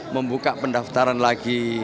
membuka pendaftaran lagi